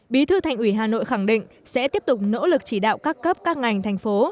bí thư thành ủy hà nội khẳng định sẽ tiếp tục nỗ lực chỉ đạo các cấp các ngành thành phố